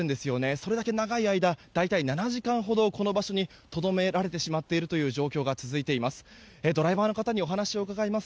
それだけ長い間大体７時間ほど、この場所にとどめられてしまっている状況が続いています。